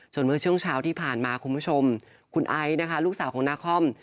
ส่วนเมื่อช่วงเช้าที่ผ่านมาคุณผู้ชมคุณไอซ์นะคะลูกสาวของนาคอม